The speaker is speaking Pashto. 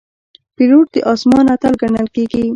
پیلوټ د آسمان اتل ګڼل کېږي.